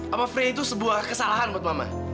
apa frey itu sebuah kesalahan buat mama